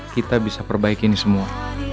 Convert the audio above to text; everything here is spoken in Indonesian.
kita bisa perbaiki ini semua